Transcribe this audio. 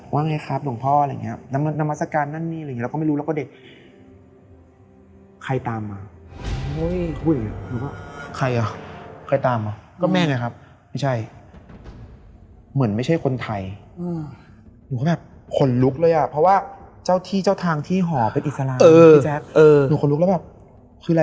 เวลาทัวร์ก็คือ๖ตื่น๗กินข้าว๘ออก